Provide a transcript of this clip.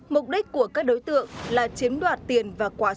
mục đích của các đối tượng là chiếm đoạt tiền và quà xinh